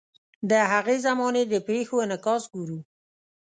د هغې زمانې د پیښو انعکاس ګورو.